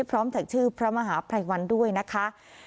พร้อมถึงชื่อพระมหาภัยวันด้วยนะคะ